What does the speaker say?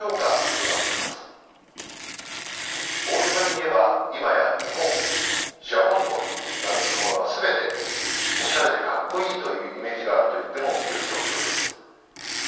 大げさに言えばいまや「日本・ＪＡＰＯＮ」と名の付くものは全ておしゃれで格好いいというイメージがあると言ってもよい状況です。